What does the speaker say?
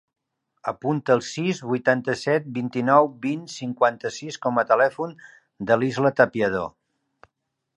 Apunta el sis, vuitanta-set, vint-i-nou, vint, cinquanta-sis com a telèfon de l'Israa Tapiador.